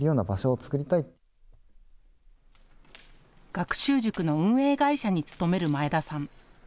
学習塾の運営会社に勤める前田さん。